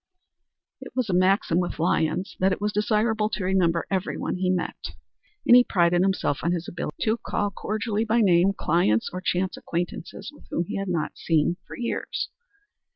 It was a maxim with Lyons that it was desirable to remember everyone he met, and he prided himself on his ability to call cordially by name clients or chance acquaintances whom he had not seen for years.